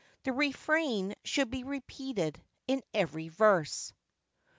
The refrain should be repeated in every verse.